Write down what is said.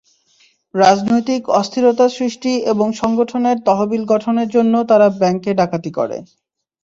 রাজনৈতিক অস্থিরতা সৃষ্টি এবং সংগঠনের তহবিল গঠনের জন্য তারা ব্যাংকে ডাকাতি করে।